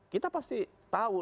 kita pasti tahu